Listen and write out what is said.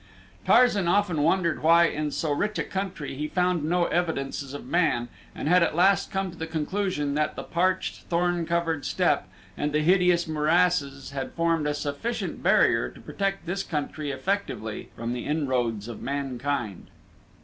Tarzan often wondered why in so rich a country he found no evidences of man and had at last come to the conclusion that the parched, thorn covered steppe and the hideous morasses had formed a sufficient barrier to protect this country effectively from the inroads of mankind.